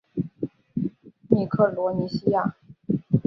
密克罗尼西亚。